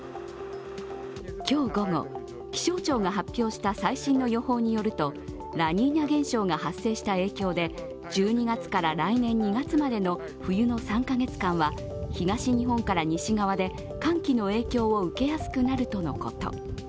今日午後、気象庁が発表した最新の予報によるとラニーニャ現象が発生した影響で１２月から来年２月までの冬の３ヶ月間は東日本から西側で寒気の影響を受けやすくなるとのこと。